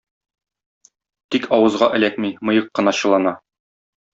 Тик авызга эләкми, мыек кына чылана.